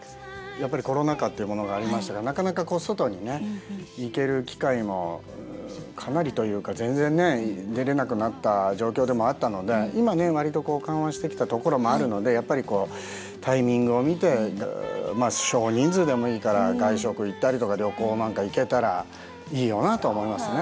やっぱりコロナ禍っていうものがありましたからなかなかこう外にね行ける機会もかなりというか全然ね出れなくなった状況でもあったので今ね割とこう緩和してきたところもあるのでやっぱりこうタイミングを見てまあ少人数でもいいから外食行ったりとか旅行なんか行けたらいいよなとは思いますね。